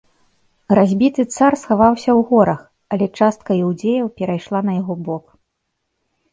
Разбіты цар схаваўся ў горах, але частка іўдзеяў перайшла на яго бок.